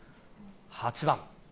８番。